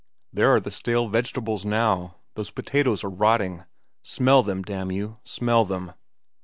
There are the stale vegetables now. Those potatoes are rotting. Smell them, damn you, smell them.